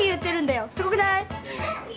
すごくない？